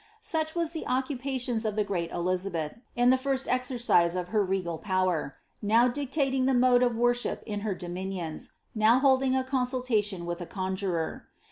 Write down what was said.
* Such were the occupations of the great Elizabeth, in the first exercise of her regal power — now dictating the mode of worship in her domin ions, now holding a consultation with a conjuror.